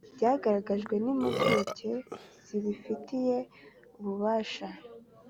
byagaragajwe n impuguke zibifitiye ububasha